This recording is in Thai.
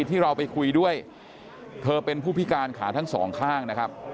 ที่เราไปคุยด้วยเธอเป็นผู้พิการขาทั้งสองข้างนะครับ